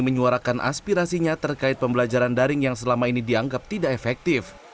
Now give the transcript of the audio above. menyuarakan aspirasinya terkait pembelajaran daring yang selama ini dianggap tidak efektif